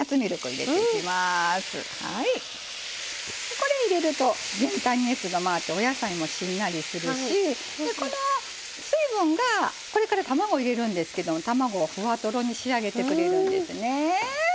これ入れると全体に熱が回ってお野菜もしんなりするしこの水分がこれから卵入れるんですけど卵をふわとろに仕上げてくれるんですね。